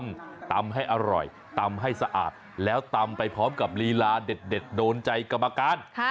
ตำให้อร่อยตำให้สะอาดแล้วตำไปพร้อมกับลีลาเด็ดโดนใจกรรมการ